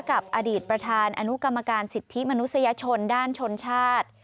กับอดีตประธานอนุกรรมการสิทธิมนุษยชนด้านชนชาติ